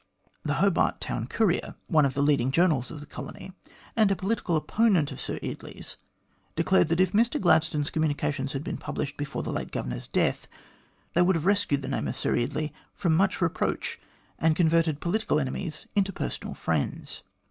The Hobart Town Courier, one of the leading journals of the colony, and a political opponent of Sir Eardley's, declared that if Mr Gladstone's communications had been published before the late Governor's death, they would have rescued the name of Sir Eardley from much reproach, and converted political enemies into personal friends.